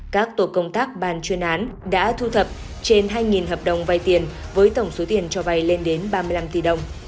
các tổ công tác bàn chuyên án đã thu thập trên hai hợp đồng vay tiền với tổng số tiền cho vay lên đến ba mươi năm tỷ đồng